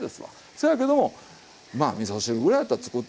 せやけどもまあ「みそ汁ぐらいやったら作って食べてるよ